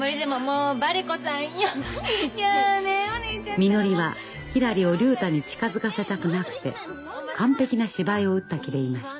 みのりはひらりを竜太に近づかせたくなくて完璧な芝居を打った気でいました。